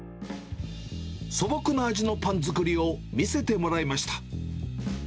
素朴な味のパン作りを見せてもらいました。